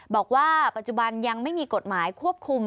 บอกว่าปัจจุบันยังไม่มีกฎหมายควบคุม